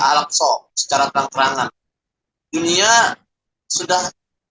alakso secara perangkat dunia sudah